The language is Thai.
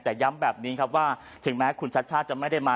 แต่ย้ำแบบนี้ครับว่าถึงแม้คุณชัดชาติจะไม่ได้มา